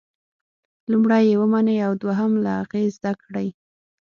لومړی یې ومنئ او دوهم له هغې زده کړئ.